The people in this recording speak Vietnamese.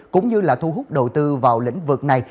cũng như là thu hút đầu tư vào lĩnh vực này